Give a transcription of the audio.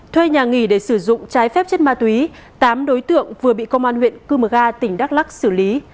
thuê nhà nghỉ để sử dụng trái phép chất ma túy tám đối tượng vừa bị công an huyện cư mờ ga tỉnh đắk lắc xử lý